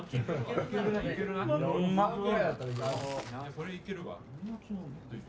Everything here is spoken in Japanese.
これいけるわ。